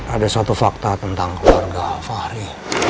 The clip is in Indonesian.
ada suatu fakta tentang warga fahri